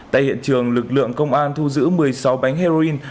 tại hiện trường lực lượng công an thu giữ một mươi sáu bánh heroin